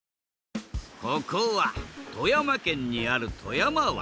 ここは富山県にある富山湾。